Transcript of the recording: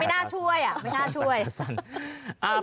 น่าช่วยอ่ะไม่น่าช่วย